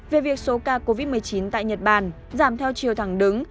về việc số ca covid một mươi chín tại nhật bản giảm theo chiều thẳng đứng